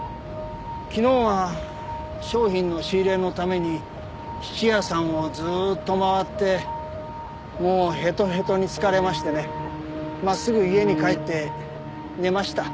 昨日は商品の仕入れのために質屋さんをずっと回ってもうヘトヘトに疲れましてね真っすぐ家に帰って寝ました。